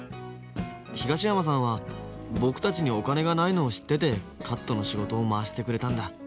東山さんは僕たちにお金がないのを知っててカットの仕事を回してくれたんだ。